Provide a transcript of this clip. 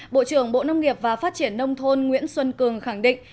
bộ trưởng bộ nông nghiệp và phát triển nông thôn nguyễn xuân cường khẳng định